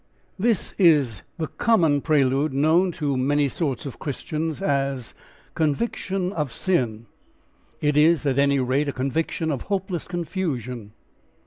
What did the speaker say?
This is the common prelude known to many sorts of Christian as "conviction of sin"; it is, at any rate, a conviction of hopeless confusion.